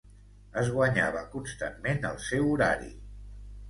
Es guanyava constantment el seu horari.